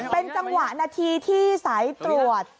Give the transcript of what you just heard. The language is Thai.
เป็นจังหวะนาทีที่สายตรวจ